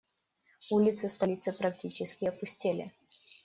Улицы столицы практически опустели.